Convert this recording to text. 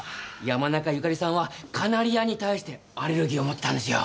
山中由佳里さんはカナリアに対してアレルギーを持っていたんですよ。